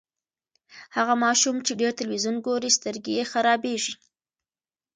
هغه ماشوم چې ډېر تلویزیون ګوري، سترګې یې خرابیږي.